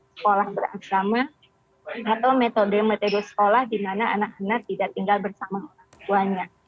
sekolah berakrama atau metode metode sekolah di mana anak anak tidak tinggal bersama orang tuanya